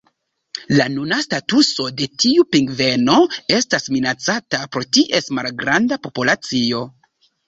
La nuna statuso de tiu pingveno estas minacata pro ties malgranda populacio.